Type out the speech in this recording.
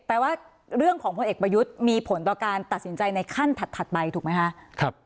แปลว่าเรื่องของพลเอกประยุทธ์มีผลต่อการตัดสินใจในขั้นถัดไปถูกไหมคะ